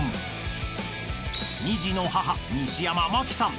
［２児の母西山茉希さん］